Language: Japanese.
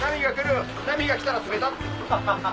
波が来たら冷た。